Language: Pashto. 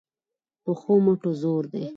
پخو مټو زور وي